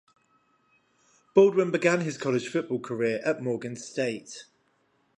Baldwin began his college football career at Morgan State.